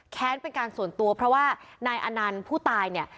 เป็นการส่วนตัวเพราะว่านายอนันต์ผู้ตายเนี่ย